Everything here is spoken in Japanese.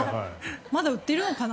まだ売ってるのかな？